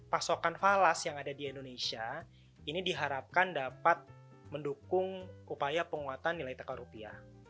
pasokan falas yang ada di indonesia ini diharapkan dapat mendukung upaya penguatan nilai tukar rupiah